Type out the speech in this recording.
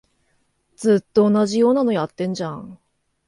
ずっと同じようなのやってんじゃん